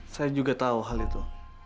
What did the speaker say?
saya juga tahu hal itu